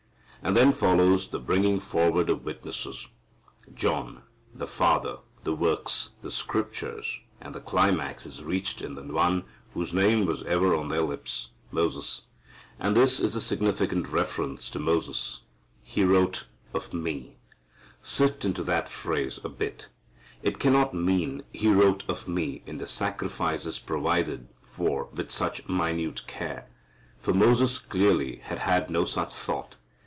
And then follows the bringing forward of witnesses, John, the Father, the works, the Scriptures, and the climax is reached in the one whose name was ever on their lips Moses. And this is the significant reference to Moses, "He wrote of Me." Sift into that phrase a bit. It cannot mean, he wrote of me in the sacrifices provided for with such minute care. For Moses clearly had had no such thought.